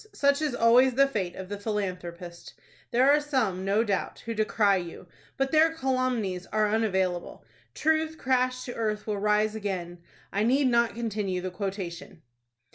Such is always the fate of the philanthropist. There are some, no doubt, who decry you, but their calumnies are unavailable. 'Truth crashed to earth will rise again.' I need not continue the quotation."